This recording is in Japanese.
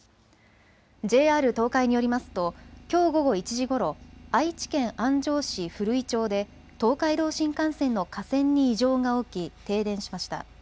ＪＲ東海によりますときょう午後１時ごろ、愛知県安城市古井町で東海道新幹線の架線に異常が起き停電しました。